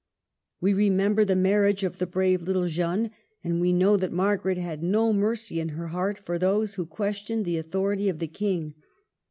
We remember the marriage of the brave little Jeanne, and we know that Margaret had no mercy in her heart for those who questioned the authority of the King.